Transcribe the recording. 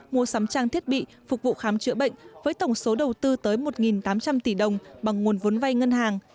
mua sắm trang thiết bị phục vụ khám chữa bệnh với tổng số đầu tư tới một tám trăm linh tỷ đồng bằng nguồn vốn vay ngân hàng